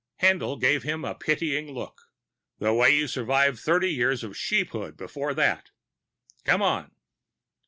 Haendl gave him a pitying look. "The way you survived thirty years of Sheephood before that. Come on."